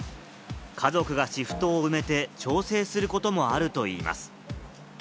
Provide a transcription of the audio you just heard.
家族がシフトを埋めて調整することもあるといいます。